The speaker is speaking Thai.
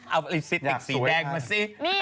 เอาลิปสิตอีกสีแดงมาสิ